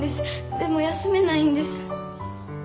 でも休めないんです。